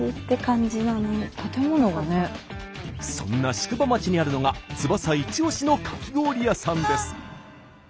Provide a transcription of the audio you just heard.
そんな宿場町にあるのが翼イチオシのかき氷屋さんです。